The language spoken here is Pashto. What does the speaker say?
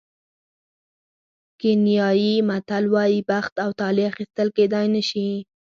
کینیايي متل وایي بخت او طالع اخیستل کېدای نه شي.